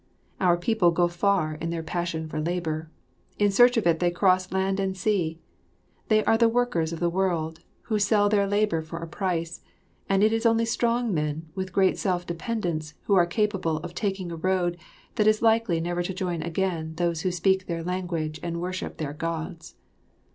Our people go far in their passion for labour; in search of it they cross land and sea. They are the workers of the world, who sell their labour for a price; and it is only strong men with great self dependence who are capable of taking a road that is likely never to join again those who speak their language and worship their Gods.